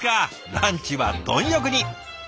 ランチは貪欲に！